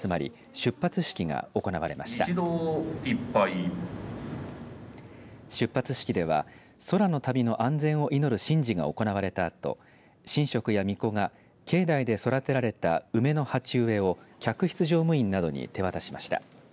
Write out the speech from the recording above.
出発式では空の旅の安全を祈る神事が行われたあと神職やみこが境内で育てられた梅の鉢植えを客室乗務員などに手渡しました。